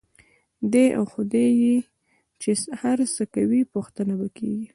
دی او خدای یې چې هر څه کوي، پوښتنه به کېږي.